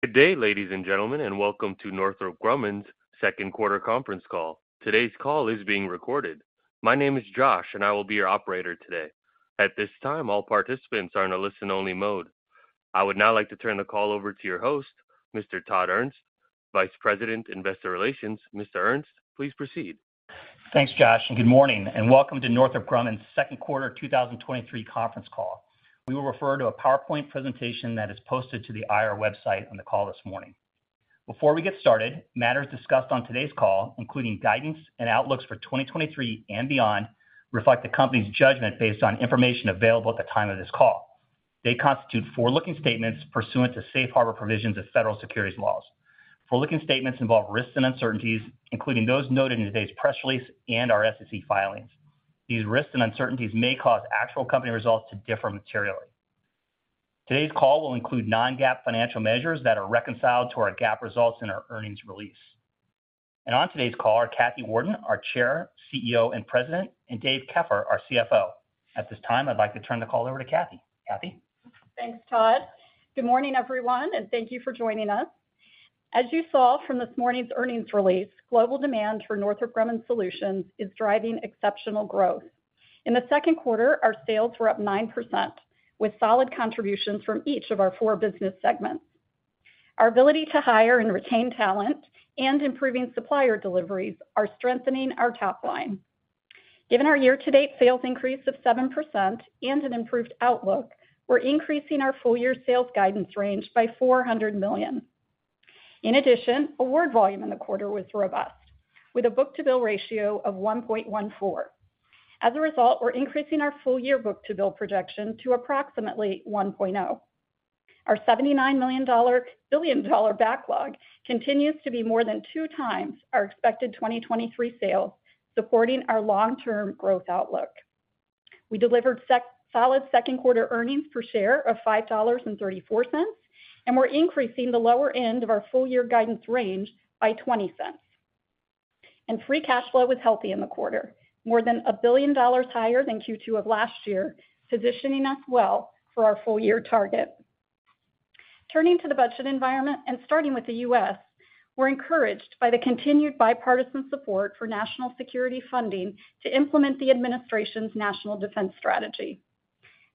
Good day, ladies and gentlemen, welcome to Northrop Grumman's second quarter conference call. Today's call is being recorded. My name is Josh, I will be your operator today. At this time, all participants are in a listen-only mode. I would now like to turn the call over to your host, Mr. Todd Ernst, Vice President, Investor Relations. Mr. Ernst, please proceed. Thanks, Josh, good morning, and welcome to Northrop Grumman's second quarter 2023 conference call. We will refer to a PowerPoint presentation that is posted to the IR website on the call this morning. Before we get started, matters discussed on today's call, including guidance and outlooks for 2023 and beyond, reflect the company's judgment based on information available at the time of this call. They constitute forward-looking statements pursuant to Safe Harbor provisions of federal securities laws. Forward-looking statements involve risks and uncertainties, including those noted in today's press release and our SEC filings. These risks and uncertainties may cause actual company results to differ materially. Today's call will include non-GAAP financial measures that are reconciled to our GAAP results in our earnings release. On today's call are Kathy Warden, our Chair, Chief Executive Officer, and President, and David Keffer, our Chief Financial Officer. At this time, I'd like to turn the call over to Kathy. Kathy? Thanks, Todd. Good morning, everyone, and thank you for joining us. As you saw from this morning's earnings release, global demand for Northrop Grumman solutions is driving exceptional growth. In the second quarter, our sales were up 9%, with solid contributions from each of our four business segments. Our ability to hire and retain talent and improving supplier deliveries are strengthening our top line. Given our year-to-date sales increase of 7% and an improved outlook, we're increasing our full-year sales guidance range by $400 million. In addition, award volume in the quarter was robust, with a book-to-bill ratio of 1.14. As a result, we're increasing our full-year book-to-bill projection to approximately 1.0. Our $79 billion backlog continues to be more than two times our expected 2023 sales, supporting our long-term growth outlook. We delivered solid second quarter earnings per share of $5.34. We're increasing the lower end of our full-year guidance range by $0.20. Free cash flow was healthy in the quarter, more than $1 billion higher than Q2 of last year, positioning us well for our full-year target. Turning to the budget environment and starting with the U.S., we're encouraged by the continued bipartisan support for national security funding to implement the administration's national defense strategy.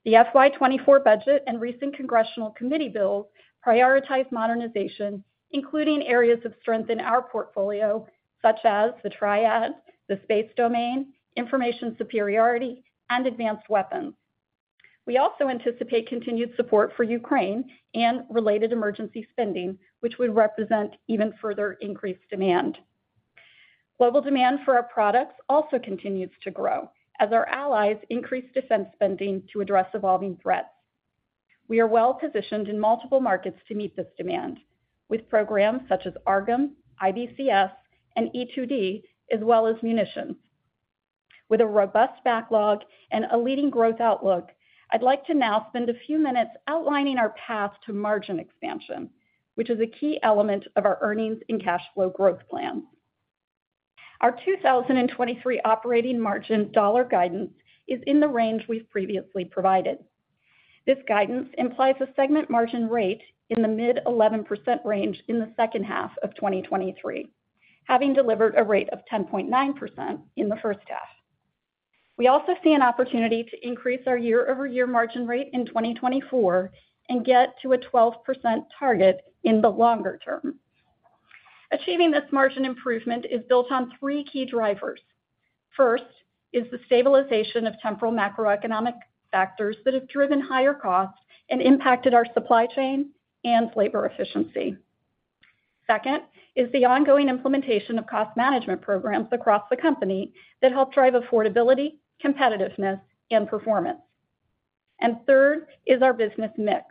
The FY 2024 budget and recent congressional committee bills prioritize modernization, including areas of strength in our portfolio, such as the Triad, the space domain, information superiority, and advanced weapons. We also anticipate continued support for Ukraine and related emergency spending, which would represent even further increased demand. Global demand for our products also continues to grow as our allies increase defense spending to address evolving threats. We are well-positioned in multiple markets to meet this demand with programs such as AARGM, IBCS, and E-2D, as well as munitions. With a robust backlog and a leading growth outlook, I'd like to now spend a few minutes outlining our path to margin expansion, which is a key element of our earnings and cash flow growth plan. Our 2023 operating margin dollar guidance is in the range we've previously provided. This guidance implies a segment margin rate in the mid-11% range in the second half of 2023, having delivered a rate of 10.9% in the first half. We also see an opportunity to increase our year-over-year margin rate in 2024 and get to a 12% target in the longer term. Achieving this margin improvement is built on three key drivers. First, is the stabilization of temporal macroeconomic factors that have driven higher costs and impacted our supply chain and labor efficiency. Second, is the ongoing implementation of cost management programs across the company that help drive affordability, competitiveness, and performance. Third, is our business mix,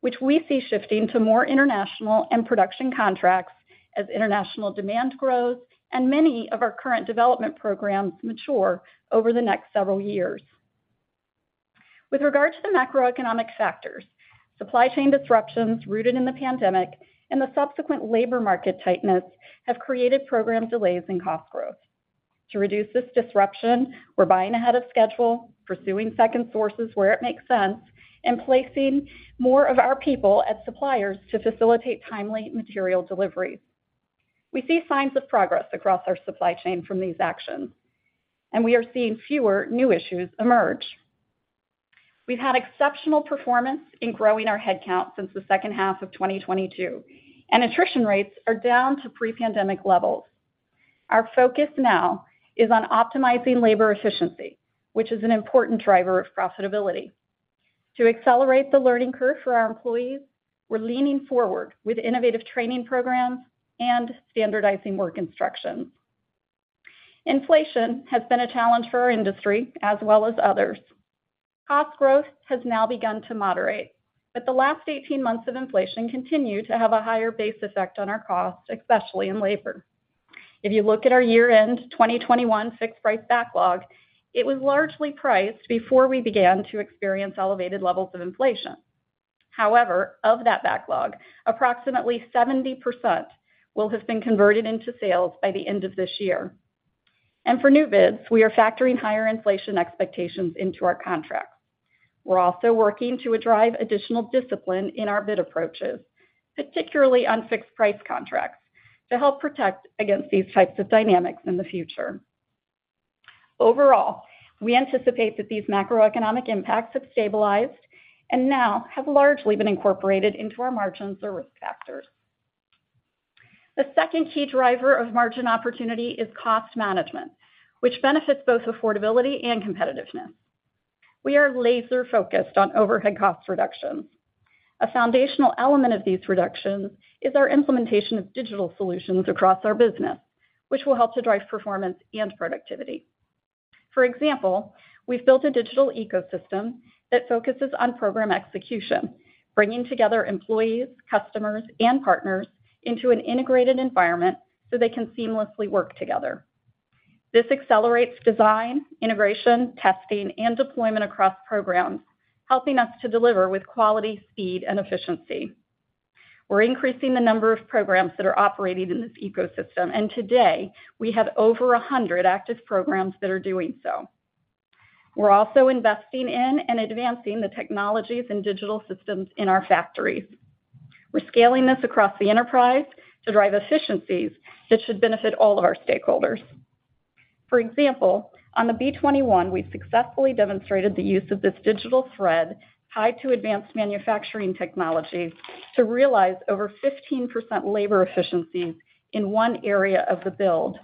which we see shifting to more international and production contracts as international demand grows and many of our current development programs mature over the next several years. With regard to the macroeconomic factors, supply chain disruptions rooted in the pandemic and the subsequent labor market tightness have created program delays and cost growth. To reduce this disruption, we're buying ahead of schedule, pursuing second sources where it makes sense, and placing more of our people at suppliers to facilitate timely material deliveries. We see signs of progress across our supply chain from these actions. We are seeing fewer new issues emerge. We've had exceptional performance in growing our headcount since the second half of 2022. Attrition rates are down to pre-pandemic levels. Our focus now is on optimizing labor efficiency, which is an important driver of profitability. To accelerate the learning curve for our employees, we're leaning forward with innovative training programs and standardizing work instructions. Inflation has been a challenge for our industry as well as others. Cost growth has now begun to moderate. The last 18 months of inflation continue to have a higher base effect on our costs, especially in labor. If you look at our year-end 2021 fixed price backlog, it was largely priced before we began to experience elevated levels of inflation. However, of that backlog, approximately 70% will have been converted into sales by the end of this year. For new bids, we are factoring higher inflation expectations into our contracts. We're also working to drive additional discipline in our bid approaches, particularly on fixed-price contracts, to help protect against these types of dynamics in the future. Overall, we anticipate that these macroeconomic impacts have stabilized and now have largely been incorporated into our margins or risk factors. The second key driver of margin opportunity is cost management, which benefits both affordability and competitiveness. We are laser-focused on overhead cost reductions. A foundational element of these reductions is our implementtion of digital solutions across our business, which will help to drive performance and productivity. For example, we've built a digital ecosystem that focuses on program execution, bringing together employees, customers, and partners into an integrated environment so they can seamlessly work together. This accelerates design, integration, testing, and deployment across programs, helping us to deliver with quality, speed, and efficiency. We're increasing the number of programs that are operating in this ecosystem, and today, we have over 100 active programs that are doing so. We're also investing in and advancing the technologies and digital systems in our factories. We're scaling this across the enterprise to drive efficiencies that should benefit all of our stakeholders. For example, on the B-21, we've successfully demonstrated the use of this digital thread tied to advanced manufacturing technologies to realize over 15% labor efficiency in one area of the build.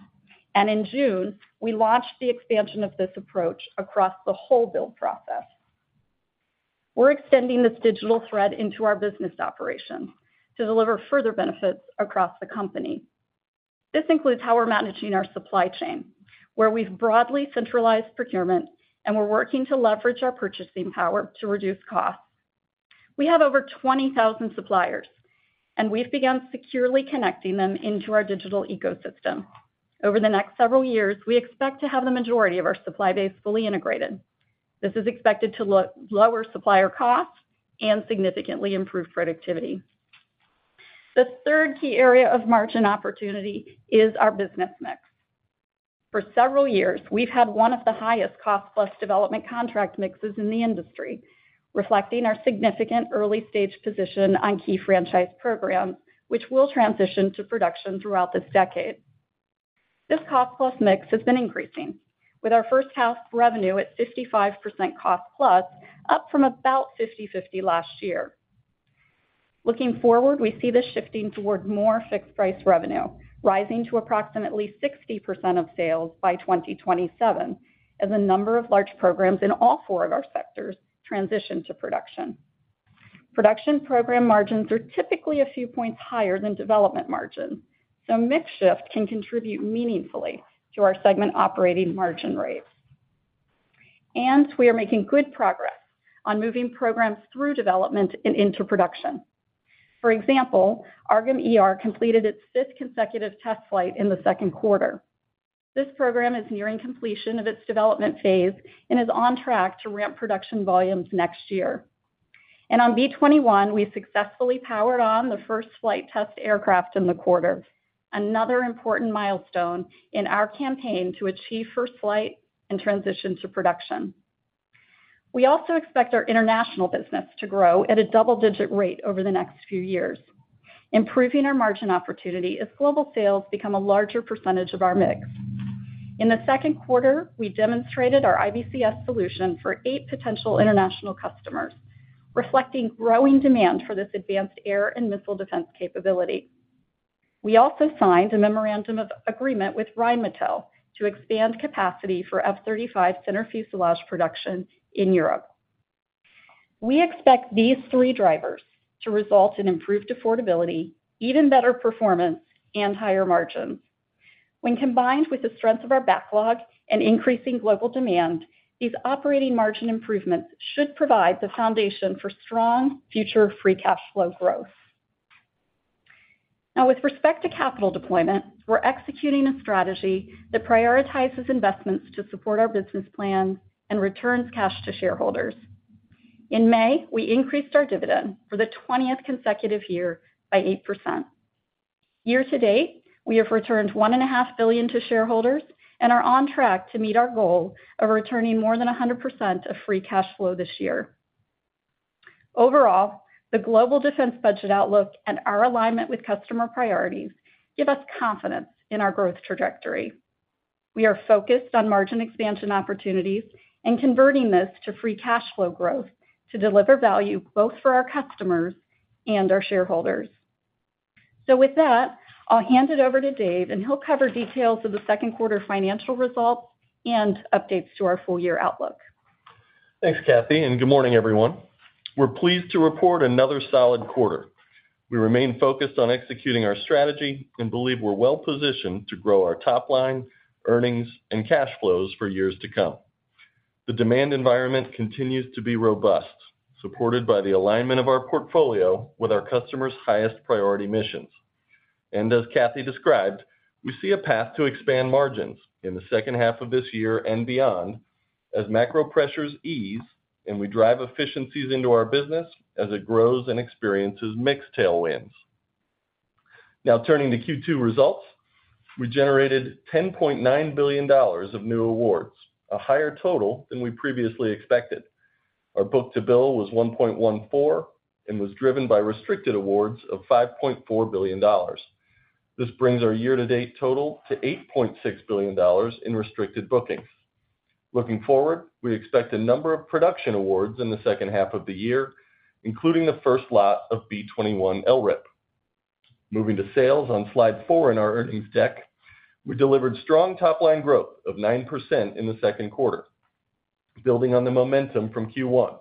In June, we launched the expansion of this approach across the whole build process. We're extending this digital thread into our business operations to deliver further benefits across the company. This includes how we're managing our supply chain, where we've broadly centralized procurement, and we're working to leverage our purchasing power to reduce costs. We have over 20,000 suppliers, and we've begun securely connecting them into our digital ecosystem. Over the next several years, we expect to have the majority of our supply base fully integrated. This is expected to lower supplier costs and significantly improve productivity. The third key area of margin opportunity is our business mix. For several years, we've had one of the highest cost-plus development contract mixes in the industry, reflecting our significant early-stage position on key franchise programs, which will transition to production throughout this decade. This cost-plus mix has been increasing, with our first house revenue at 55% cost-plus, up from about 50/50 last year. Looking forward, we see this shifting towards more fixed-price revenue, rising to approximately 60% of sales by 2027, as a number of large programs in all four of our sectors transition to production. Production program margins are typically a few points higher than development margins, so mix shift can contribute meaningfully to our segment operating margin rates. We are making good progress on moving programs through development and into production. For example, AARGM-ER completed its fifth consecutive test flight in the second quarter. This program is nearing completion of its development phase and is on track to ramp production volumes next year. On B-21, we successfully powered on the first flight test aircraft in the quarter, another important milestone in our campaign to achieve first flight and transition to production. We also expect our international business to grow at a double-digit rate over the next few years, improving our margin opportunity as global sales become a larger percentage of our mix. In the second quarter, we demonstrated our IBCS solution for eight potential international customers, reflecting growing demand for this advanced air and missile defense capability. We also signed a memorandum of agreement with Rheinmetall to expand capacity for F-35 center fuselage production in Europe. We expect these three drivers to result in improved affordability, even better performance, and higher margins. When combined with the strength of our backlog and increasing global demand, these operating margin improvements should provide the foundation for strong future free cash flow growth. Now, with respect to capital deployment, we're executing a strategy that prioritizes investments to support our business plan and returns cash to shareholders. In May, we increased our dividend for the 20th consecutive year by 8%. Year-to-date, we have returned $1.5 billion to shareholders and are on track to meet our goal of returning more than 100% of free cash flow this year. Overall, the global defense budget outlook and our alignment with customer priorities give us confidence in our growth trajectory. We are focused on margin expansion opportunities and converting this to free cash flow growth to deliver value both for our customers and our shareholders. With that, I'll hand it over to David, and he'll cover details of the second quarter financial results and updates to our full-year outlook. Thanks, Kathy. Good morning, everyone. We're pleased to report another solid quarter. We remain focused on executing our strategy and believe we're well positioned to grow our top line, earnings, and cash flows for years to come. The demand environment continues to be robust, supported by the alignment of our portfolio with our customers' highest priority missions. As Kathy described, we see a path to expand margins in the second half of this year and beyond as macro pressures ease and we drive efficiencies into our business as it grows and experiences mix tailwinds. Now turning to Q2 results. We generated $10.9 billion of new awards, a higher total than we previously expected. Our book-to-bill was 1.14 and was driven by restricted awards of $5.4 billion. This brings our year-to-date total to $8.6 billion in restricted bookings. Looking forward, we expect a number of production awards in the second half of the year, including the first lot of B-21 LRIP. Moving to sales on slide four in our earnings deck, we delivered strong top-line growth of 9% in the second quarter, building on the momentum from Q1.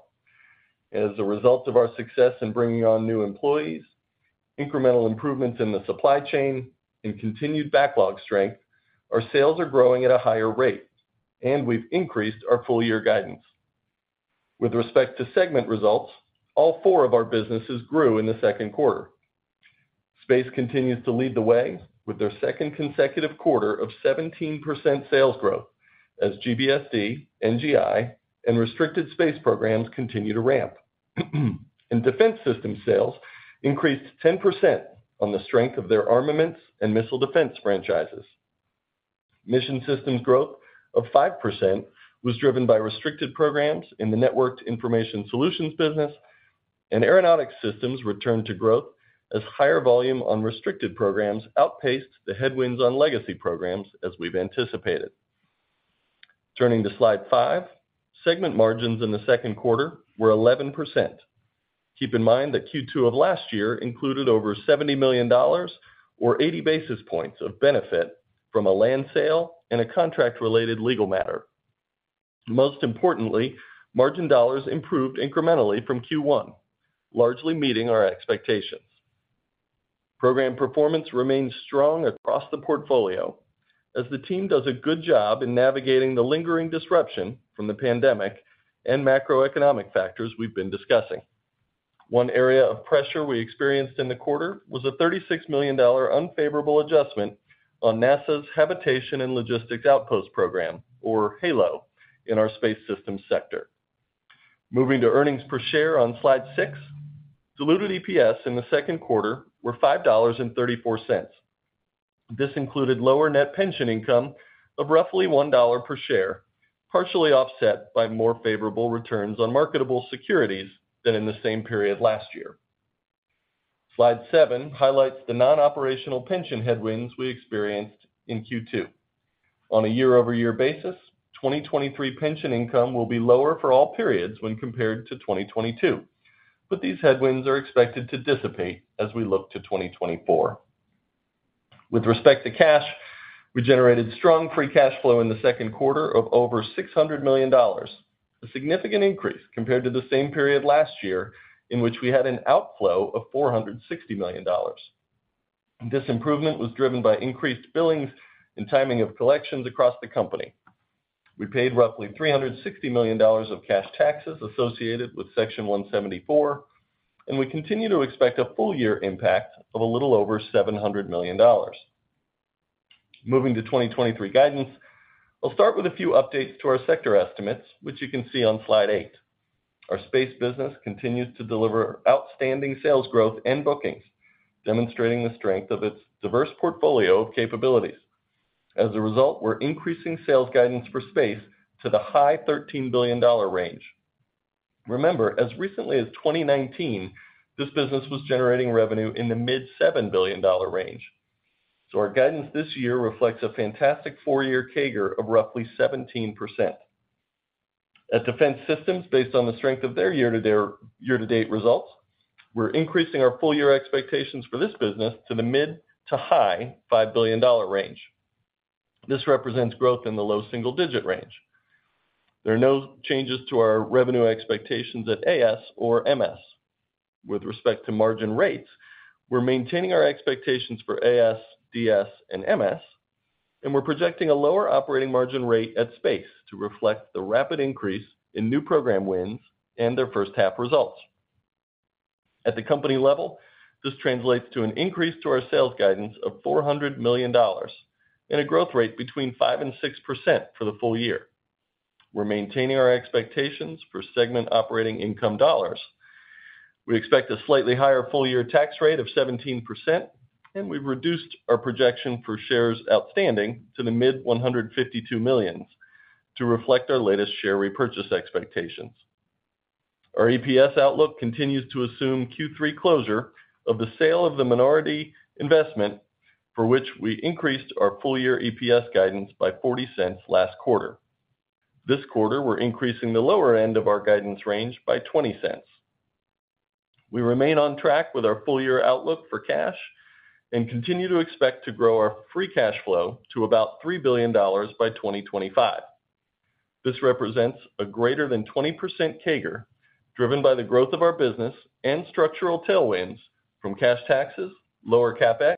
As a result of our success in bringing on new employees, incremental improvements in the supply chain, and continued backlog strength, our sales are growing at a higher rate, and we've increased our full-year guidance. With respect to segment results, all four of our businesses grew in the second quarter. Space continues to lead the way with their second consecutive quarter of 17% sales growth, as GBSD, NGI, and restricted space programs continue to ramp. Defense Systems sales increased 10% on the strength of their armaments and missile defense franchises. Mission Systems growth of 5% was driven by restricted programs in the Networked Information Solutions business. Aeronautics Systems returned to growth as higher volume on restricted programs outpaced the headwinds on legacy programs, as we've anticipated. Turning to slide five, segment margins in the second quarter were 11%. Keep in mind that Q2 of last year included over $70 million or 80 basis points of benefit from a land sale and a contract-related legal matter. Most importantly, margin dollars improved incrementally from Q1, largely meeting our expectations. Program performance remains strong across the portfolio as the team does a good job in navigating the lingering disruption from the pandemic and macroeconomic factors we've been discussing. One area of pressure we experienced in the quarter was a $36 million unfavorable adjustment on NASA's Habitation and Logistics Outpost program, or HALO, in our Space Systems sector. Moving to earnings per share on slide six, diluted EPS in the second quarter were $5.34. This included lower net pension income of roughly $1 per share, partially offset by more favorable returns on marketable securities than in the same period last year. Slide seven highlights the non-operational pension headwinds we experienced in Q2. On a year-over-year basis, 2023 pension income will be lower for all periods when compared to 2022. These headwinds are expected to dissipate as we look to 2024. With respect to cash, we generated strong free cash flow in the second quarter of over $600 million, a significant increase compared to the same period last year, in which we had an outflow of $460 million. This improvement was driven by increased billings and timing of collections across the company. We paid roughly $360 million of cash taxes associated with Section 174, and we continue to expect a full year impact of a little over $700 million. Moving to 2023 guidance, I'll start with a few updates to our sector estimates, which you can see on slide eight. Our space business continues to deliver outstanding sales growth and bookings, demonstrating the strength of its diverse portfolio of capabilities. As a result, we're increasing sales guidance for Space to the high $13 billion range. Remember, as recently as 2019, this business was generating revenue in the mid $7 billion range. Our guidance this year reflects a fantastic four-year CAGR of roughly 17%. At Defense Systems, based on the strength of their year-to-date results, we're increasing our full year expectations for this business to the mid to high $5 billion range. This represents growth in the low single-digit range. There are no changes to our revenue expectations at AS or MS. With respect to margin rates, we're maintaining our expectations for AS, DS, and MS, and we're projecting a lower operating margin rate at Space to reflect the rapid increase in new program wins and their first half results. At the company level, this translates to an increase to our sales guidance of $400 million and a growth rate between 5% and 6% for the full year. We're maintaining our expectations for segment operating income dollars. We expect a slightly higher full-year tax rate of 17%, and we've reduced our projection for shares outstanding to the mid 152 million to reflect our latest share repurchase expectations. Our EPS outlook continues to assume Q3 closure of the sale of the minority investment, for which we increased our full-year EPS guidance by $0.40 last quarter. This quarter, we're increasing the lower end of our guidance range by $0.20. We remain on track with our full-year outlook for cash and continue to expect to grow our free cash flow to about $3 billion by 2025. This represents a greater than 20% CAGR, driven by the growth of our business and structural tailwinds from cash taxes, lower CapEx,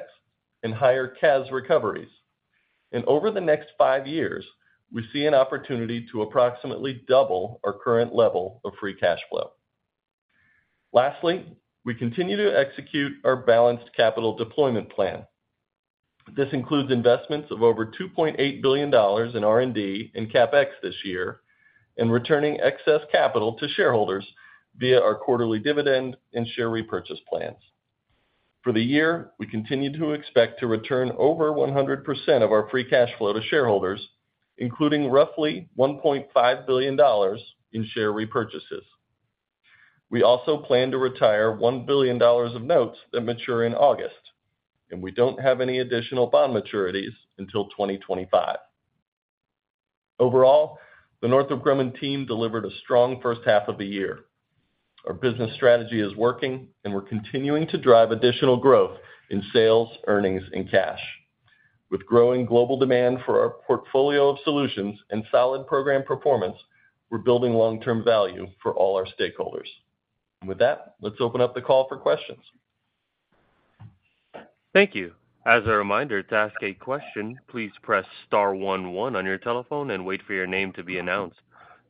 and higher CAS recoveries. Over the next five years, we see an opportunity to approximately double our current level of free cash flow. Lastly, we continue to execute our balanced capital deployment plan. This includes investments of over $2.8 billion in R&D and CapEx this year, returning excess capital to shareholders via our quarterly dividend and share repurchase plans. For the year, we continue to expect to return over 100% of our free cash flow to shareholders, including roughly $1.5 billion in share repurchases. We also plan to retire $1 billion of notes that mature in August. We don't have any additional bond maturities until 2025. Overall, the Northrop Grumman team delivered a strong first half of the year. Our business strategy is working, and we're continuing to drive additional growth in sales, earnings, and cash. With growing global demand for our portfolio of solutions and solid program performance, we're building long-term value for all our stakeholders. With that, let's open up the call for questions. Thank you. As a reminder, to ask a question, please press star one, one on your telephone and wait for your name to be announced.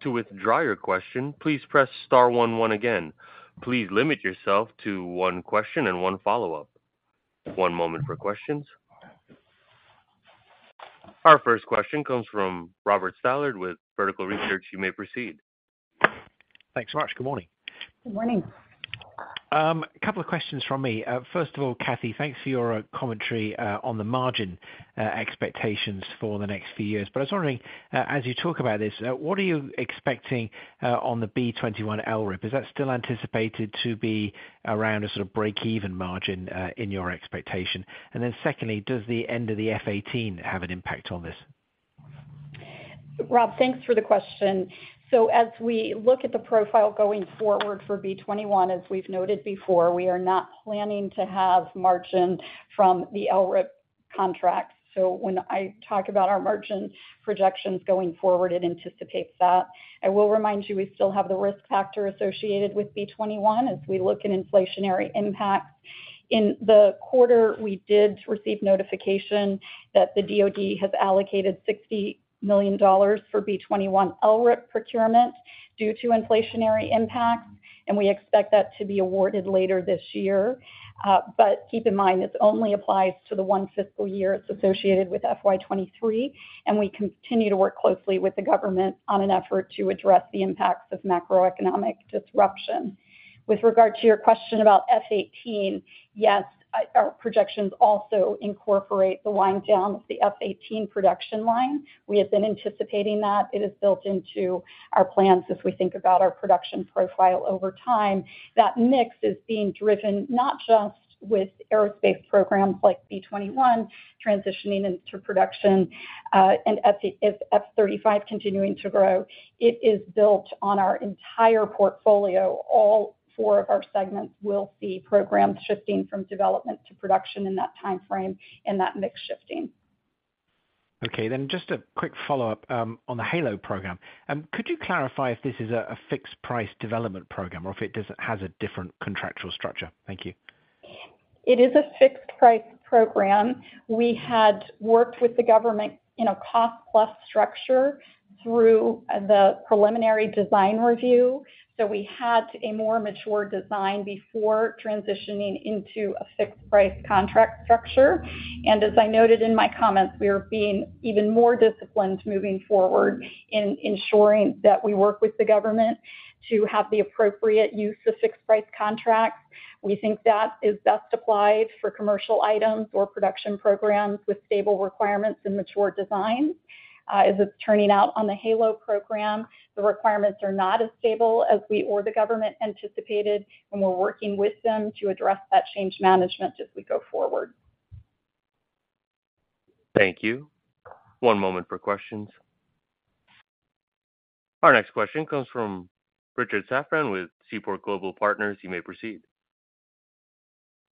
To withdraw your question, please press star one, one again. Please limit yourself to one question and one follow-up. One moment for questions. Our first question comes from Robert Stallard with Vertical Research. You may proceed. Thanks so much. Good morning. Good morning. A couple of questions from me. First of all, Kathy, thanks for your commentary on the margin expectations for the next few years. I was wondering, as you talk about this, what are you expecting on the B-21 LRIP? Is that still anticipated to be around a sort of break-even margin in your expectation? Secondly, does the end of the F-18 have an impact on this? Rob, thanks for the question. As we look at the profile going forward for B-21, as we've noted before, we are not planning to have margin from the LRIP contract. When I talk about our margin projections going forward, it anticipates that. I will remind you, we still have the risk factor associated with B-21 as we look at inflationary impacts. In the quarter, we did receive notification that the DoD has allocated $60 million for B-21 LRIP procurement due to inflationary impacts, and we expect that to be awarded later this year. Keep in mind, this only applies to the one fiscal year. It's associated with FY 2023, and we continue to work closely with the government on an effort to address the impacts of macroeconomic disruption. With regard to your question about F-18, yes, our projections also incorporate the wind down of the F-18 production line. We have been anticipating that. It is built into our plans as we think about our production profile over time. That mix is being driven not just with aerospace programs like B-21 transitioning into production, and F-35 continuing to grow. It is built on our entire portfolio. All four of our segments will see programs shifting from development to production in that time frame and that mix shifting. Okay. Just a quick follow-up, on the HALO program. Could you clarify if this is a fixed price development program or if it has a different contractual structure? Thank you. It is a fixed price program. We had worked with the government in a cost-plus structure through the preliminary design review, so we had a more mature design before transitioning into a fixed price contract structure. As I noted in my comments, we are being even more disciplined moving forward in ensuring that we work with the government to have the appropriate use of fixed price contracts. We think that is best applied for commercial items or production programs with stable requirements and mature design. As it's turning out on the HALO program, the requirements are not as stable as we or the government anticipated, and we're working with them to address that change management as we go forward. Thank you. One moment for questions. Our next question comes from Richard Safran with Seaport Global Partners. You may proceed.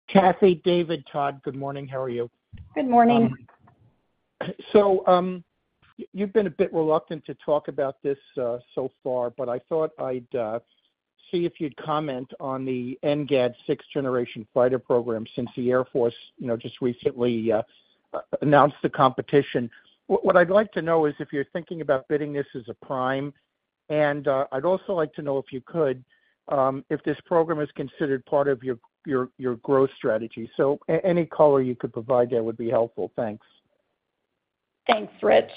Kathy, David, Todd, good morning. How are you? Good morning. You've been a bit reluctant to talk about this so far, but I thought I'd see if you'd comment on the NGAD sixth-generation fighter program since the Air Force, you know, just recently announced the competition. What I'd like to know is if you're thinking about bidding this as a prime, and I'd also like to know if you could if this program is considered part of your growth strategy? Any color you could provide there would be helpful. Thanks. Thanks, Rich.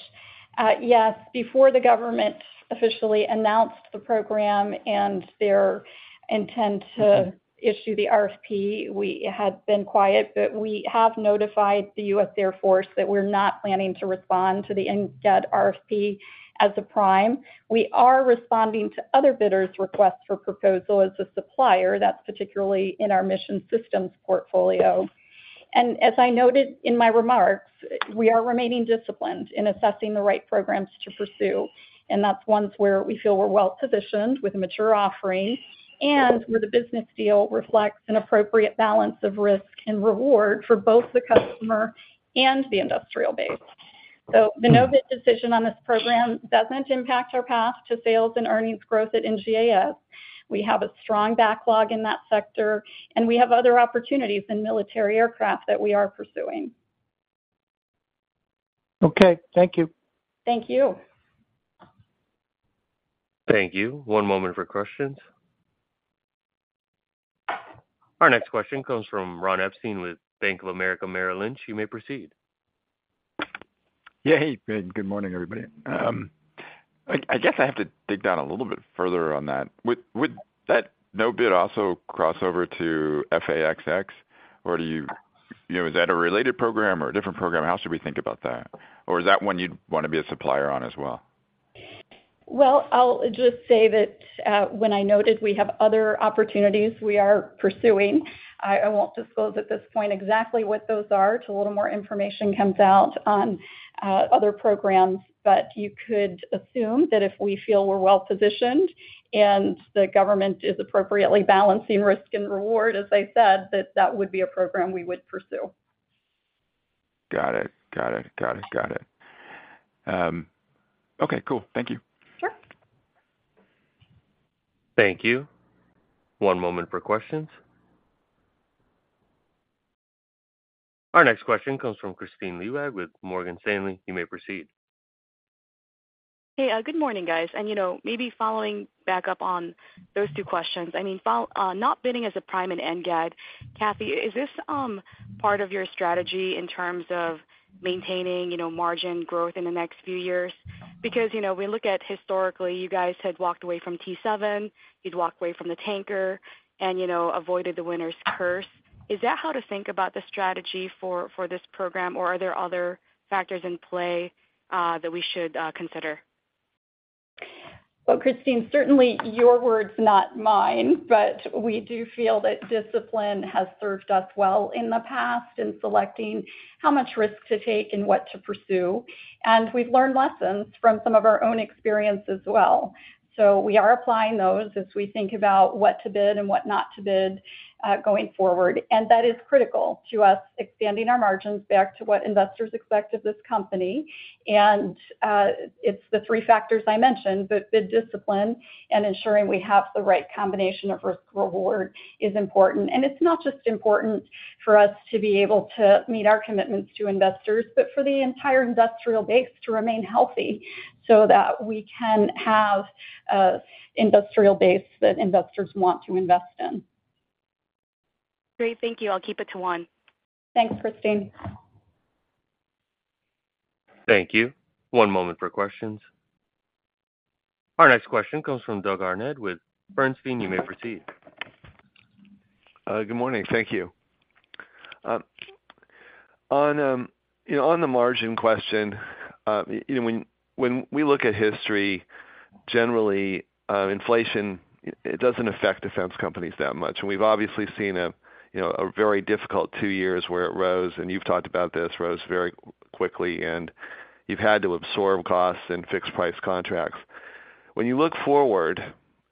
Yes, before the government officially announced the program and their intent to issue the RFP, we had been quiet. We have notified the US Air Force that we're not planning to respond to the NGAD RFP as a prime. We are responding to other bidders' requests for proposal as a supplier. That's particularly in our Mission Systems portfolio. As I noted in my remarks, we are remaining disciplined in assessing the right programs to pursue, and that's ones where we feel we're well-positioned with a mature offering and where the business deal reflects an appropriate balance of risk and reward for both the customer and the industrial base. The no-bid decision on this program doesn't impact our path to sales and earnings growth at NGAS. We have a strong backlog in that sector, and we have other opportunities in military aircraft that we are pursuing. Okay, thank you. Thank you. Thank you. One moment for questions. Our next question comes from Ronald Epstein with Bank of America, Merrill Lynch. You may proceed. Yeah. Hey, good, good morning, everybody. I guess I have to dig down a little bit further on that. Would that no bid also cross over to F/A-XX, or do you know, is that a related program or a different program? How should we think about that? Is that one you'd want to be a supplier on as well? Well, I'll just say that when I noted we have other opportunities we are pursuing, I won't disclose at this point exactly what those are till a little more information comes out on other programs. You could assume that if we feel we're well-positioned and the government is appropriately balancing risk and reward, as I said, that that would be a program we would pursue. Got it. Got it, got it. Okay, cool. Thank you. Sure. Thank you. One moment for questions. Our next question comes from Kristine Liwag with Morgan Stanley. You may proceed. Hey, good morning, guys. You know, maybe following back up on those two questions, I mean, not bidding as a prime and end, Kathy, is this part of your strategy in terms of maintaining, you know, margin growth in the next few years? You know, we look at historically, you guys had walked away from T-seven, you'd walked away from the tanker, and, you know, avoided the winner's curse. Is that how to think about the strategy for this program, or are there other factors in play that we should consider? Kristine, certainly your words, not mine, but we do feel that discipline has served us well in the past in selecting how much risk to take and what to pursue, and we've learned lessons from some of our own experience as well. We are applying those as we think about what to bid and what not to bid going forward, and that is critical to us expanding our margins back to what investors expect of this company. It's the three factors I mentioned, but bid discipline and ensuring we have the right combination of risk reward is important. It's not just important for us to be able to meet our commitments to investors, but for the entire industrial base to remain healthy so that we can have a industrial base that investors want to invest in. Great, thank you. I'll keep it to one. Thanks, Kristine. Thank you. One moment for questions. Our next question comes from Douglas Harned with Bernstein. You may proceed. Good morning. Thank you. On, you know, on the margin question, you know, when we look at history, generally, inflation, it doesn't affect defense companies that much. We've obviously seen a, you know, a very difficult two years where it rose, and you've talked about this, rose very quickly, and you've had to absorb costs and fixed price contracts. When you look forward,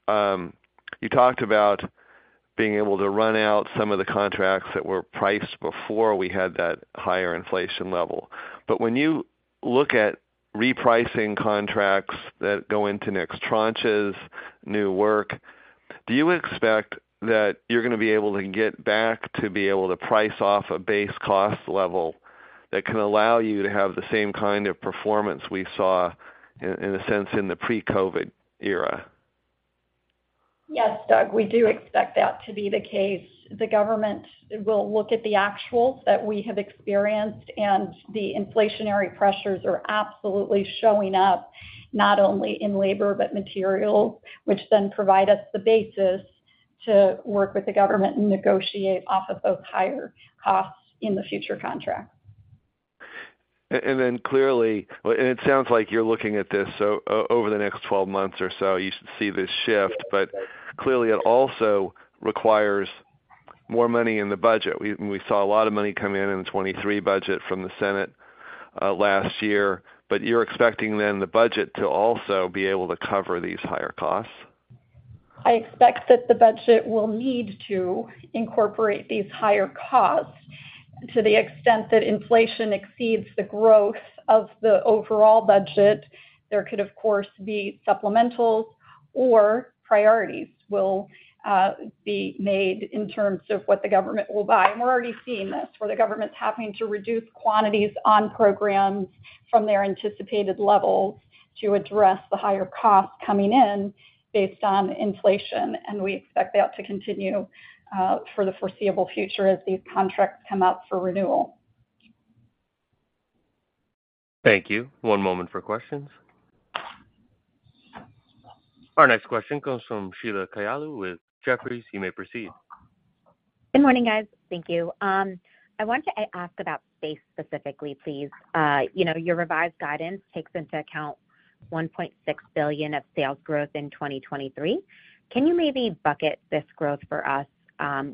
you talked about being able to run out some of the contracts that were priced before we had that higher inflation level. When you look at repricing contracts that go into next tranches, new work, do you expect that you're gonna be able to get back to be able to price off a base cost level that can allow you to have the same kind of performance we saw in, in a sense, in the pre-COVID era? Yes, Doug, we do expect that to be the case. The government will look at the actuals that we have experienced, and the inflationary pressures are absolutely showing up, not only in labor, but materials, which then provide us the basis to work with the government and negotiate off of those higher costs in the future contracts. Clearly, well, and it sounds like you're looking at this, so over the next 12 months or so, you should see this shift, but clearly it also requires more money in the budget. We saw a lot of money come in in the 2023 budget from the Senate, last year, but you're expecting then the budget to also be able to cover these higher costs? I expect that the budget will need to incorporate these higher costs. To the extent that inflation exceeds the growth of the overall budget, there could, of course, be supplementals or priorities will be made in terms of what the government will buy. We're already seeing this, where the government's having to reduce quantities on programs from their anticipated levels to address the higher costs coming in based on inflation, and we expect that to continue for the foreseeable future as these contracts come up for renewal. Thank you. One moment for questions. Our next question comes from Sheila Kahyaoglu with Jefferies. You may proceed. Good morning, guys. Thank you. I want to ask about space specifically, please. You know, your revised guidance takes into account $1.6 billion of sales growth in 2023. Can you maybe bucket this growth for us?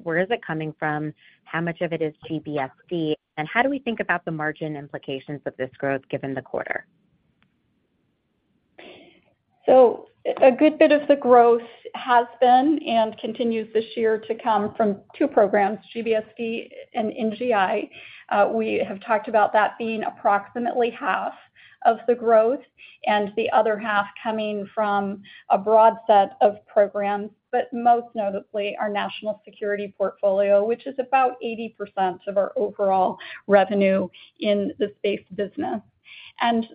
Where is it coming from? How much of it is GBSD? How do we think about the margin implications of this growth, given the quarter? A good bit of the growth has been, and continues this year, to come from two programs, GBSD and NGI. We have talked about that being approximately half of the growth and the other half coming from a broad set of programs, but most notably, our national security portfolio, which is about 80% of our overall revenue in the space business.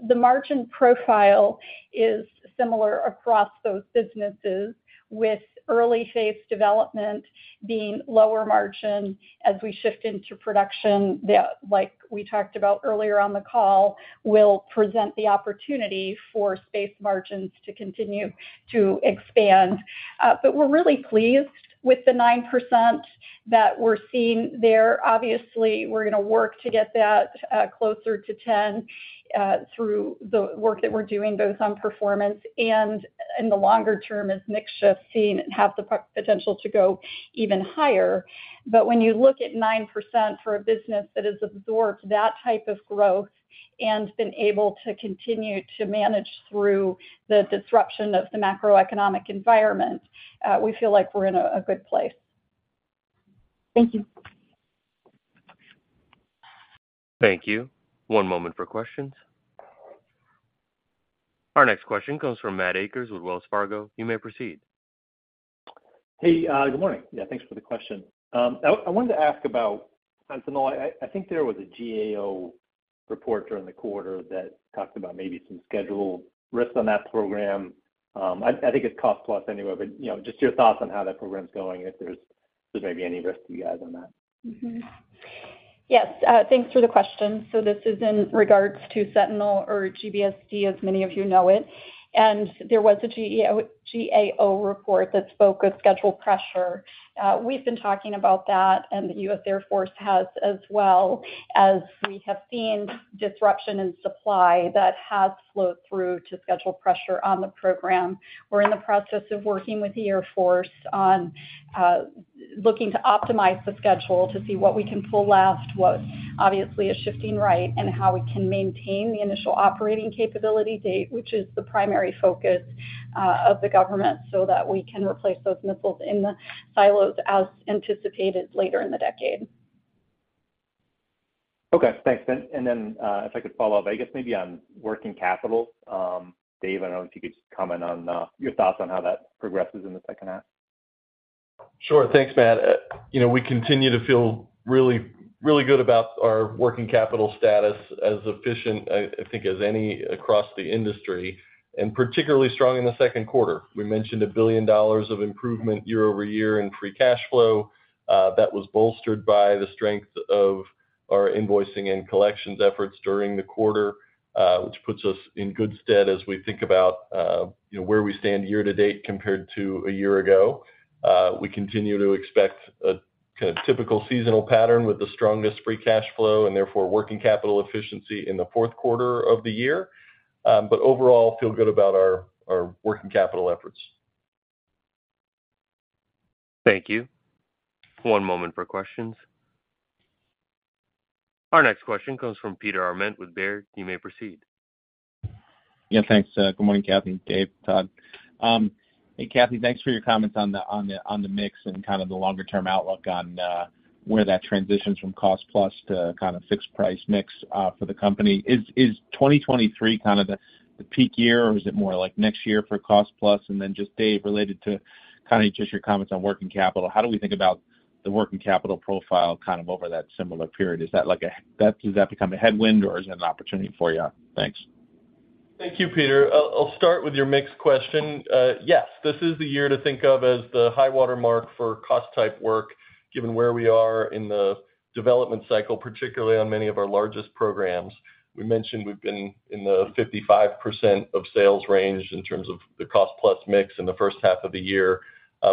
The margin profile is similar across those businesses, with early phase development being lower margin. As we shift into production, the, like we talked about earlier on the call, will present the opportunity for space margins to continue to expand. We're really pleased with the 9% that we're seeing there. Obviously, we're gonna work to get that, closer to 10, through the work that we're doing, both on performance and in the longer term, as mix shift seen and have the potential to go even higher. When you look at 9% for a business that has absorbed that type of growth and been able to continue to manage through the disruption of the macroeconomic environment, we feel like we're in a good place. Thank you. Thank you. One moment for questions. Our next question comes from Matthew Akers with Wells Fargo. You may proceed. Hey, good morning. Yeah, thanks for the question. I wanted to ask about Sentinel. I think there was a GAO report during the quarter that talked about maybe some schedule risks on that program. I think it's cost plus anyway, but, you know, just your thoughts on how that program's going and if there may be any risk to you guys on that? Yes, thanks for the question. This is in regards to Sentinel or GBSD, as many of you know it. There was a GAO report that spoke of schedule pressure. We've been talking about that, and the US Air Force has as well, as we have seen disruption in supply that has flowed through to schedule pressure on the program. We're in the process of working with the Air Force on, looking to optimize the schedule to see what we can pull left, what obviously is shifting right, and how we can maintain the initial operating capability date, which is the primary focus of the government, so that we can replace those missiles in the silos as anticipated later in the decade. Okay. Thanks. If I could follow up, I guess, maybe on working capital. David, I don't know if you could just comment on your thoughts on how that progresses in the second half? Sure. Thanks, Matt. you know, we continue to feel really, really good about our working capital status as efficient, I think, as any across the industry, and particularly strong in the second quarter. We mentioned $1 billion of improvement year-over-year in free cash flow. That was bolstered by the strength of our invoicing and collections efforts during the quarter, which puts us in good stead as we think about, you know, where we stand year-to-date compared to a year ago. We continue to expect a kind of typical seasonal pattern with the strongest free cash flow and therefore working capital efficiency in the fourth quarter of the year. Overall, feel good about our working capital efforts. Thank you. One moment for questions. Our next question comes from Peter Arment with Baird. You may proceed. Yeah, thanks. Good morning, Kathy, David, Todd. Hey, Kathy, thanks for your comments on the mix and kind of the longer-term outlook on, where that transitions from cost-plus to kind of fixed-price mix, for the company. Is 2023 kind of the peak year, or is it more like next year for cost-plus? Just, David, related to kind of just your comments on working capital, how do we think about the working capital profile kind of over that similar period? Does that become a headwind or is it an opportunity for you? Thanks. Thank you, Peter. I'll start with your mix question. Yes, this is the year to think of as the high water mark for cost type work, given where we are in the development cycle, particularly on many of our largest programs. We mentioned we've been in the 55% of sales range in terms of the cost plus mix in the first half of the year.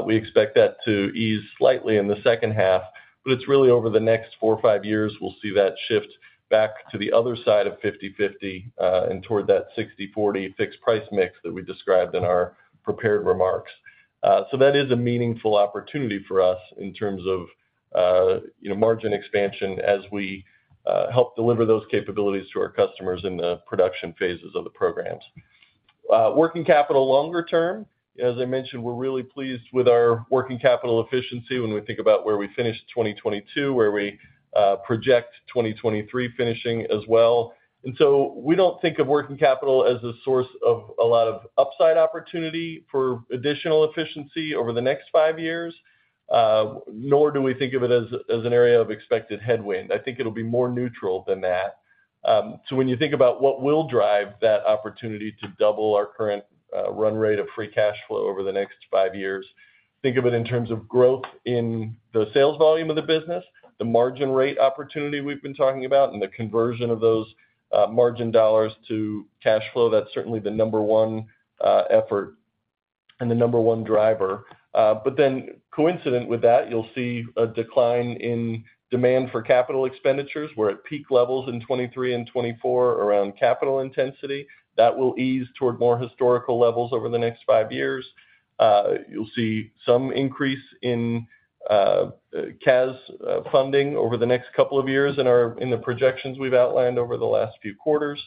We expect that to ease slightly in the second half, it's really over the next four or five-years, we'll see that shift back to the other side of 50/50, toward that 60/40 fixed price mix that we described in our prepared remarks. That is a meaningful opportunity for us in terms of, you know, margin expansion as we help deliver those capabilities to our customers in the production phases of the programs. Working capital longer term, as I mentioned, we're really pleased with our working capital efficiency when we think about where we finished 2022, where we project 2023 finishing as well. We don't think of working capital as a source of a lot of upside opportunity for additional efficiency over the next 5 years, nor do we think of it as, as an area of expected headwind. I think it'll be more neutral than that. When you think about what will drive that opportunity to double our current run rate of free cash flow over the next 5 years, think of it in terms of growth in the sales volume of the business, the margin rate opportunity we've been talking about, and the conversion of those margin dollars to cash flow. That's certainly the number one effort and the number one driver. Coincident with that, you'll see a decline in demand for capital expenditures. We're at peak levels in 23 and 24 around capital intensity. That will ease toward more historical levels over the next five-years. You'll see some increase in CAS funding over the next couple of years in the projections we've outlined over the last few quarters.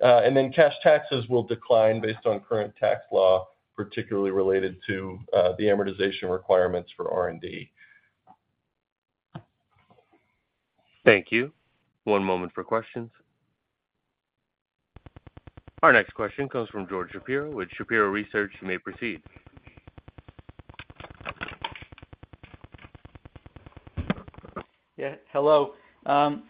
Cash taxes will decline based on current tax law, particularly related to the amortization requirements for R&D. Thank you. One moment for questions. Our next question comes from George Shapiro with Shapiro Research. You may proceed. Yeah, hello. On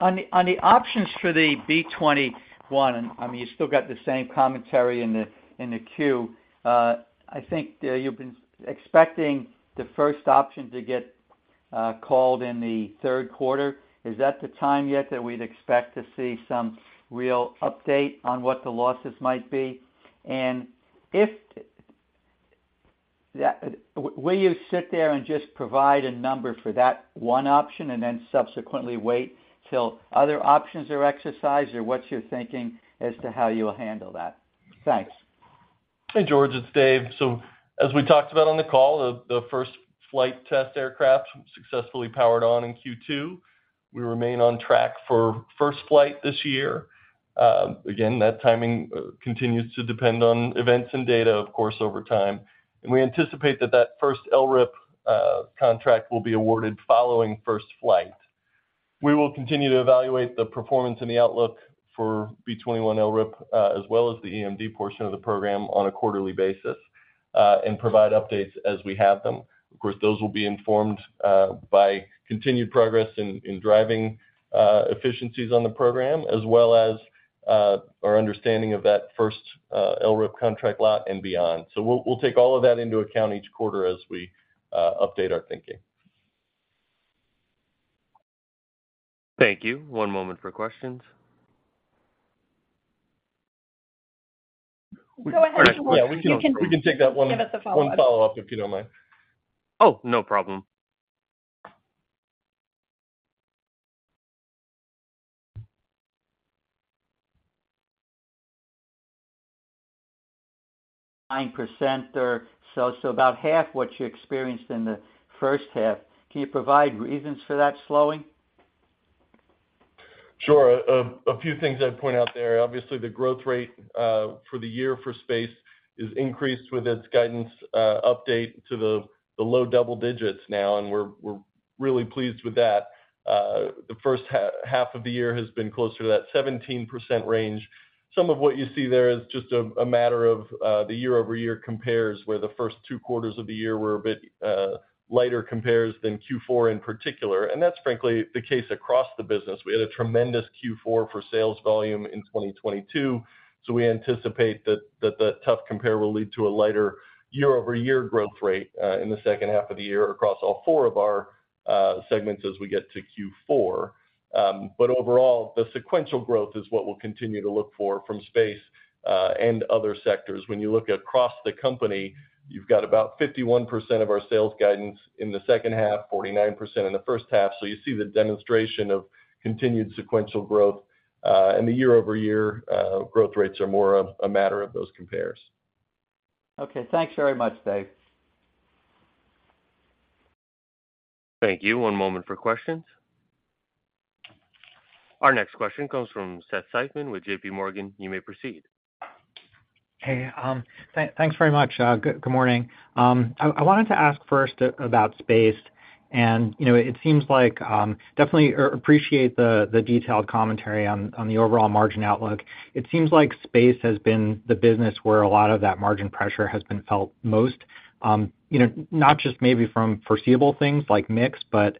the options for the B-21, I mean, you still got the same commentary in the queue. I think, you've been expecting the first option to get called in the third quarter. Is that the time yet that we'd expect to see some real update on what the losses might be? If, will you sit there and just provide a number for that one option and then subsequently wait till other options are exercised, or what's your thinking as to how you'll handle that? Thanks. Hey, George, it's David. As we talked about on the call, the first flight test aircraft successfully powered on in Q2. We remain on track for first flight this year. Again, that timing continues to depend on events and data, of course, over time. We anticipate that that first LRIP contract will be awarded following first flight. We will continue to evaluate the performance and the outlook for B-21 LRIP, as well as the EMD portion of the program on a quarterly basis, and provide updates as we have them. Of course, those will be informed by continued progress in driving efficiencies on the program, as well as our understanding of that first LRIP contract lot and beyond. We'll take all of that into account each quarter as we update our thinking. Thank you. One moment for questions. Go ahead, George. Yeah, we can take that one. Give us a follow-up. One follow-up, if you don't mind. Oh, no problem. 9% or so, so about half what you experienced in the first half. Can you provide reasons for that slowing? Sure. A few things I'd point out there. Obviously, the growth rate for the year for space is increased with its guidance update to the low double digits now, and we're really pleased with that. The first half of the year has been closer to that 17% range. Some of what you see there is just a matter of the year-over-year compares, where the first two quarters of the year were a bit lighter compares than Q4 in particular. That's frankly the case across the business. We had a tremendous Q4 for sales volume in 2022, so we anticipate that tough compare will lead to a lighter year-over-year growth rate in the second half of the year across all four of our segments as we get to Q4. Overall, the sequential growth is what we'll continue to look for from space and other sectors. When you look across the company, you've got about 51% of our sales guidance in the second half, 49% in the first half. You see the demonstration of continued sequential growth, and the year-over-year growth rates are more of a matter of those compares. Okay, thanks very much, David. Thank you. One moment for questions. Our next question comes from Seth Seifman with J.P. Morgan. You may proceed. Hey, thanks very much. Good, good morning. I wanted to ask first about space, and, you know, it seems like, definitely appreciate the detailed commentary on the overall margin outlook. It seems like space has been the business where a lot of that margin pressure has been felt most, you know, not just maybe from foreseeable things like mix, but,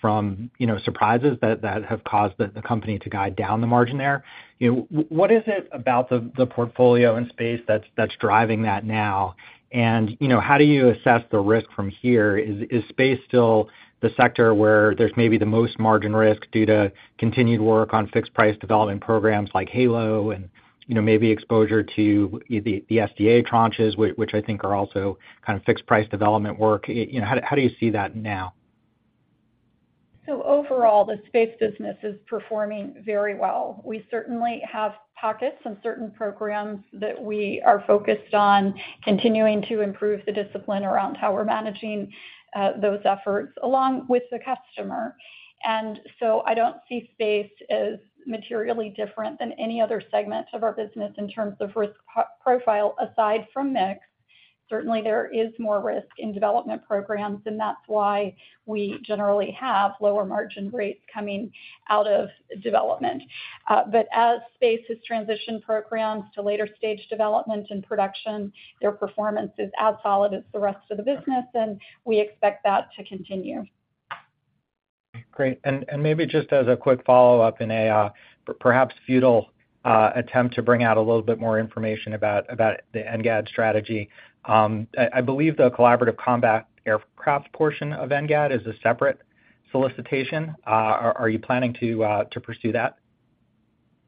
from, you know, surprises that have caused the company to guide down the margin there. You know, what is it about the portfolio in space that's driving that now? You know, how do you assess the risk from here? Is space still the sector where there's maybe the most margin risk due to continued work on fixed price development programs like HALO and, you know, maybe exposure to the SDA tranches, which I think are also kind of fixed price development work. You know, how do you see that now? Overall, the space business is performing very well. We certainly have pockets in certain programs that we are focused on continuing to improve the discipline around how we're managing those efforts, along with the customer. I don't see space as materially different than any other segment of our business in terms of risk profile, aside from mix. Certainly, there is more risk in development programs, and that's why we generally have lower margin rates coming out of development. As space has transitioned programs to later stage development and production, their performance is as solid as the rest of the business, and we expect that to continue. Great. Maybe just as a quick follow-up in a, perhaps futile, attempt to bring out a little bit more information about the NGAD strategy. I believe the Collaborative Combat Aircraft portion of NGAD is a separate solicitation. Are you planning to pursue that?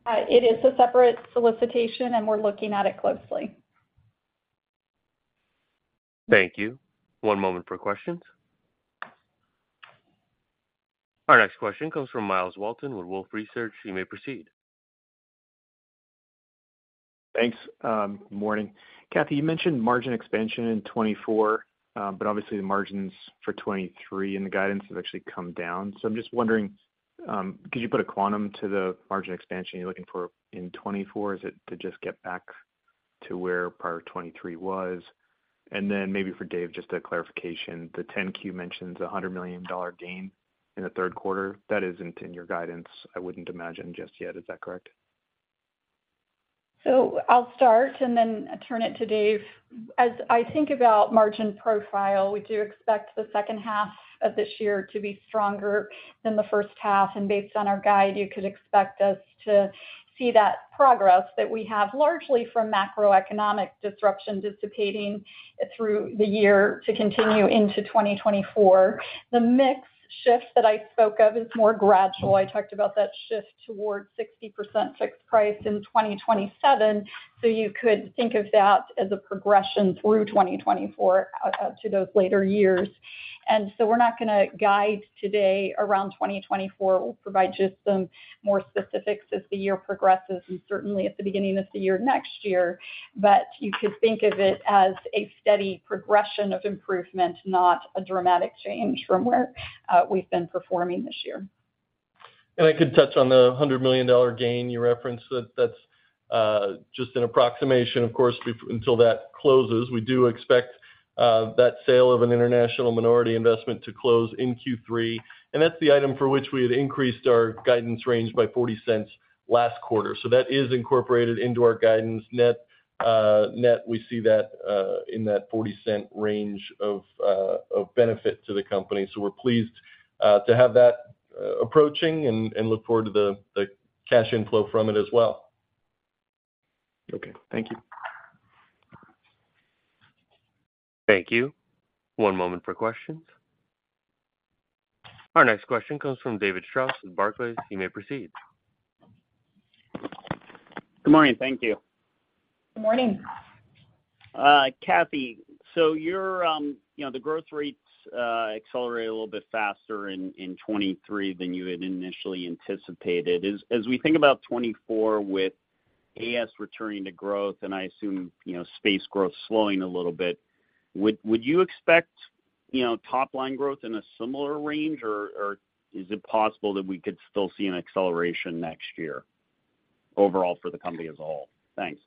It is a separate solicitation, and we're looking at it closely. Thank you. One moment for questions. Our next question comes from Myles Walton with Wolfe Research. You may proceed. Thanks. Morning. Kathy, you mentioned margin expansion in 2024, obviously, the margins for 2023 in the guidance have actually come down. I'm just wondering, could you put a quantum to the margin expansion you're looking for in 2024? Is it to just get back to where prior 2023 was? Then maybe for David, just a clarification. The 10-Q mentions a $100 million gain in the 3rd quarter. That isn't in your guidance, I wouldn't imagine just yet. Is that correct? I'll start and then turn it to David. As I think about margin profile, we do expect the second half of this year to be stronger than the first half, and based on our guide, you could expect us to see that progress that we have, largely from macroeconomic disruption dissipating through the year to continue into 2024. The mix shift that I spoke of is more gradual. I talked about that shift towards 60% fixed price in 2027, so you could think of that as a progression through 2024 out to those later years. We're not gonna guide today around 2024. We'll provide just some more specifics as the year progresses, and certainly at the beginning of the year next year. You could think of it as a steady progression of improvement, not a dramatic change from where we've been performing this year. I could touch on the $100 million gain you referenced. That's just an approximation, of course, until that closes. We do expect that sale of an international minority investment to close in Q3. That's the item for which we had increased our guidance range by $0.40 last quarter. That is incorporated into our guidance net. Net, we see that in that $0.40 range of benefit to the company. We're pleased to have that approaching and look forward to the cash inflow from it as well. Okay, thank you. Thank you. One moment for questions. Our next question comes from David Strauss with Barclays. You may proceed. Good morning. Thank you. Good morning. Kathy, you're, you know, the growth rates accelerated a little bit faster in 2023 than you had initially anticipated. As we think about 2024 with AS returning to growth, and I assume, you know, space growth slowing a little bit, would you expect, you know, top-line growth in a similar range, or is it possible that we could still see an acceleration next year, overall for the company as a whole? Thanks.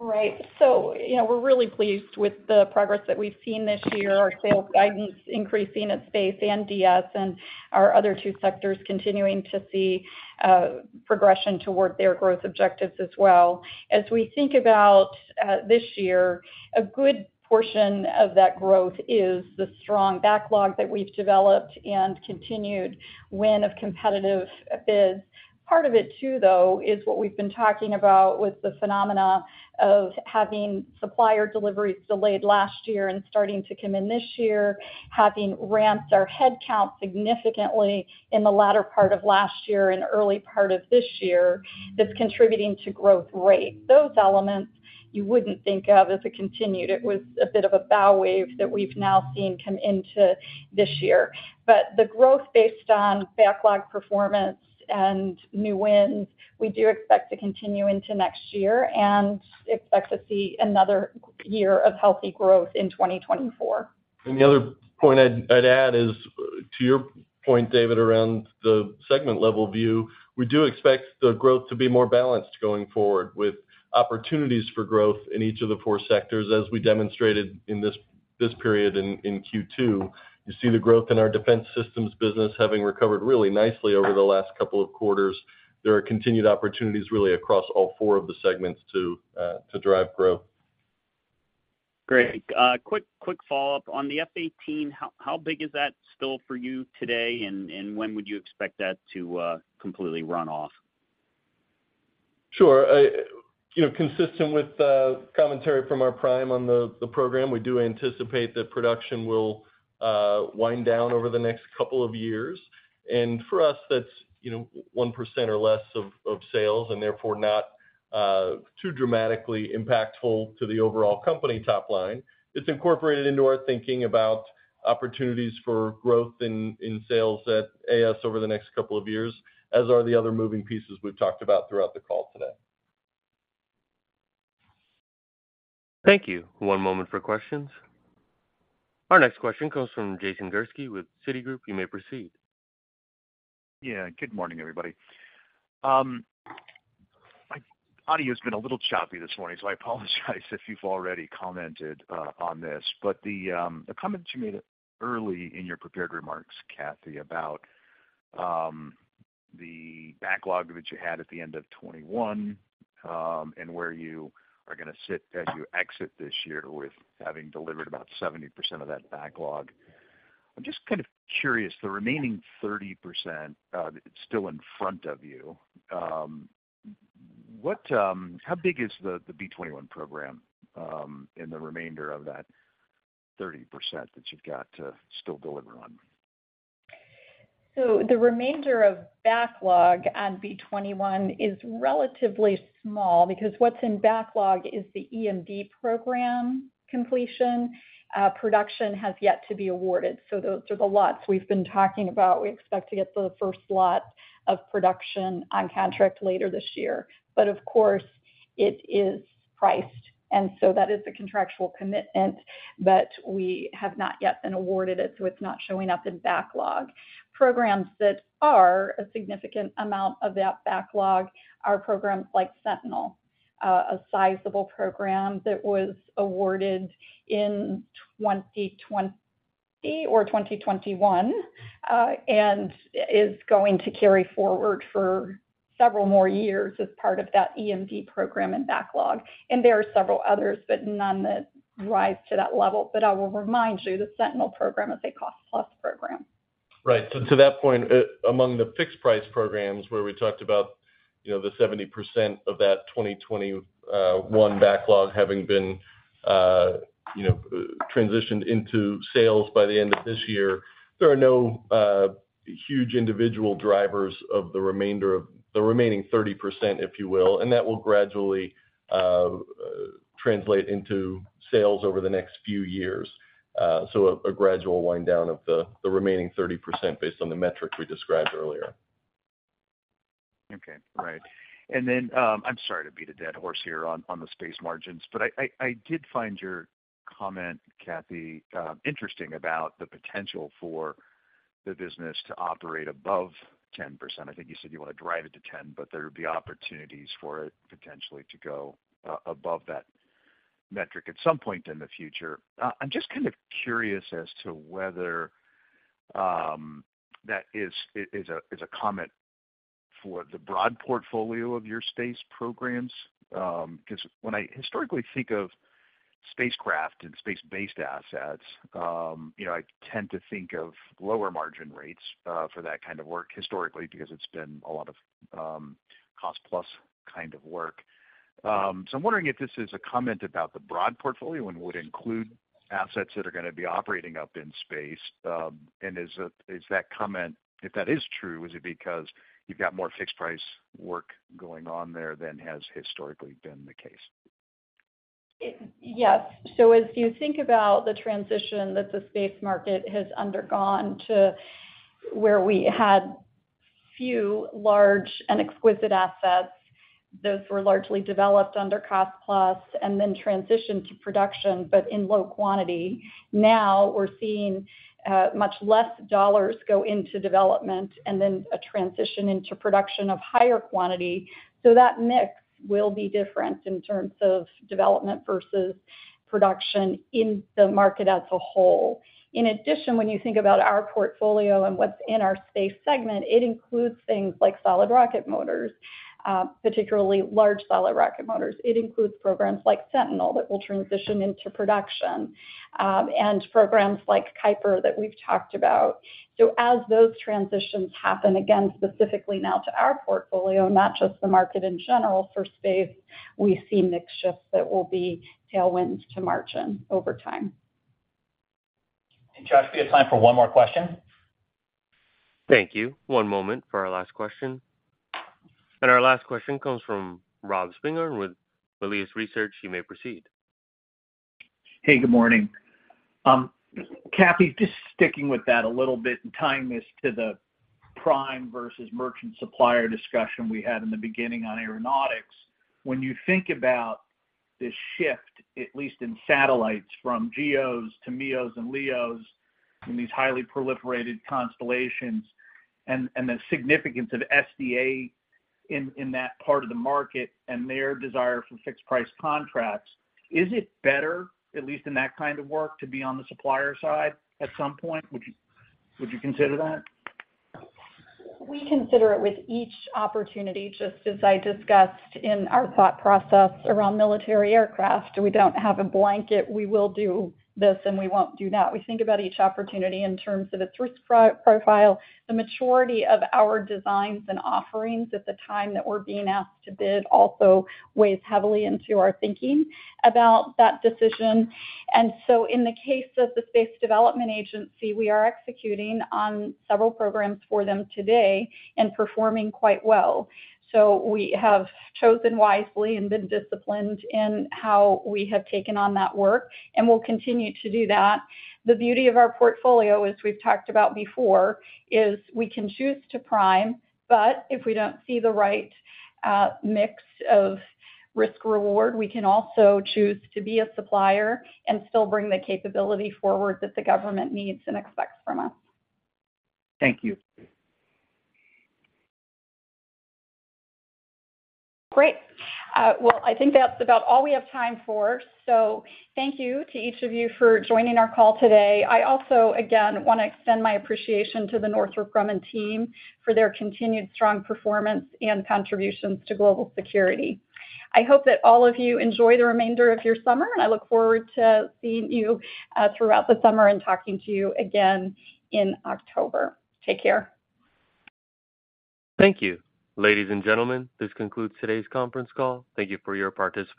Right. You know, we're really pleased with the progress that we've seen this year. Our sales guidance increasing at Space and DS and our other two sectors continuing to see progression toward their growth objectives as well. As we think about this year, a good portion of that growth is the strong backlog that we've developed and continued win of competitive bids. Part of it, too, though, is what we've been talking about with the phenomena of having supplier deliveries delayed last year and starting to come in this year, having ramped our headcount significantly in the latter part of last year and early part of this year, that's contributing to growth rate. Those elements you wouldn't think of as a continued. It was a bit of a bow wave that we've now seen come into this year. The growth based on backlog performance and new wins, we do expect to continue into next year and expect to see another year of healthy growth in 2024. The other point I'd add is, to your point, David, around the segment-level view, we do expect the growth to be more balanced going forward, with opportunities for growth in each of the four sectors, as we demonstrated in this period in Q2. You see the growth in our Defense Systems business having recovered really nicely over the last couple of quarters. There are continued opportunities really across all four of the segments to drive growth. Great. quick follow-up. On the F-18, how big is that still for you today, and when would you expect that to completely run off? Sure. you know, consistent with the commentary from our prime on the program, we do anticipate that production will wind down over the next couple of years. For us, that's, you know, 1% or less of sales, and therefore not too dramatically impactful to the overall company top line. It's incorporated into our thinking about opportunities for growth in sales at AS over the next couple of years, as are the other moving pieces we've talked about throughout the call today. Thank you. One moment for questions. Our next question comes from Jason Gursky with Citigroup. You may proceed. Yeah, good morning, everybody. My audio's been a little choppy this morning, so I apologize if you've already commented on this. The comments you made early in your prepared remarks, Kathy, about the backlog that you had at the end of 2021, and where you are gonna sit as you exit this year with having delivered about 70% of that backlog. I'm just kind of curious, the remaining 30% still in front of you, what how big is the B-21 program in the remainder of that 30% that you've got to still deliver on? The remainder of backlog on B-21 is relatively small because what's in backlog is the EMD program completion. Production has yet to be awarded, so those are the lots we've been talking about. We expect to get the first lot of production on contract later this year. Of course, it is priced, and so that is a contractual commitment, but we have not yet been awarded it, so it's not showing up in backlog. Programs that are a significant amount of that backlog are programs like Sentinel, a sizable program that was awarded in 2021, and is going to carry forward for several more years as part of that EMD program and backlog. There are several others, but none that rise to that level. I will remind you, the Sentinel program is a cost plus program. Right. To that point, among the fixed price programs where we talked about, you know, the 70% of that 2021 backlog having been, you know, transitioned into sales by the end of this year, there are no huge individual drivers of the remainder of the remaining 30%, if you will, and that will gradually translate into sales over the next few years. A gradual wind down of the remaining 30% based on the metric we described earlier. Right. Then, I'm sorry to beat a dead horse here on the space margins, but I did find your comment, Kathy, interesting about the potential for the business to operate above 10%. I think you said you want to drive it to 10, but there would be opportunities for it potentially to go above that metric at some point in the future. I'm just kind of curious as to whether that is a comment for the broad portfolio of your space programs. Because when I historically think of spacecraft and space-based assets, you know, I tend to think of lower margin rates for that kind of work historically, because it's been a lot of cost plus kind of work. I'm wondering if this is a comment about the broad portfolio and would include assets that are gonna be operating up in space. Is that comment, if that is true, is it because you've got more fixed price work going on there than has historically been the case? Yes. As you think about the transition that the space market has undergone to where we had few large and exquisite assets, those were largely developed under cost plus and then transitioned to production, but in low quantity. Now, we're seeing much less dollars go into development and then a transition into production of higher quantity. That mix will be different in terms of development versus production in the market as a whole. In addition, when you think about our portfolio and what's in our space segment, it includes things like solid rocket motors, particularly large solid rocket motors. It includes programs like Sentinel that will transition into production, and programs like Kuiper that we've talked about. As those transitions happen, again, specifically now to our portfolio, not just the market in general for space, we see mix shifts that will be tailwinds to margin over time. Josh, we have time for one more question. Thank you. One moment for our last question. Our last question comes from Robert Spingarn with Melius Research. You may proceed. Hey, good morning. Kathy, just sticking with that a little bit and tying this to the prime versus merchant supplier discussion we had in the beginning on Aeronautics. When you think about this shift, at least in satellites, from GEOs to MEOs and LEO and these highly proliferated constellations, and the significance of SDA in that part of the market and their desire for fixed price contracts, is it better, at least in that kind of work, to be on the supplier side at some point? Would you consider that? We consider it with each opportunity, just as I discussed in our thought process around military aircraft. We don't have a blanket, we will do this and we won't do that. We think about each opportunity in terms of its risk profile. The maturity of our designs and offerings at the time that we're being asked to bid also weighs heavily into our thinking about that decision. In the case of the Space Development Agency, we are executing on several programs for them today and performing quite well. We have chosen wisely and been disciplined in how we have taken on that work, and we'll continue to do that. The beauty of our portfolio, as we've talked about before, is we can choose to prime, but if we don't see the right mix of risk reward, we can also choose to be a supplier and still bring the capability forward that the government needs and expects from us. Thank you. Great. Well, I think that's about all we have time for. Thank you to each of you for joining our call today. I also, again, want to extend my appreciation to the Northrop Grumman team for their continued strong performance and contributions to global security. I hope that all of you enjoy the remainder of your summer, and I look forward to seeing you throughout the summer and talking to you again in October. Take care. Thank you. Ladies and gentlemen, this concludes today's conference call. Thank you for your participation.